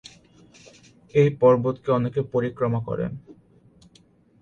এই পর্বতকে অনেকে পরিক্রমা করেন।